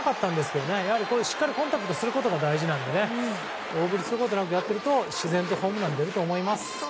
しっかりコンタクトすることが大事なので大振りすることなくやっていれば自然とホームランが出ると思います。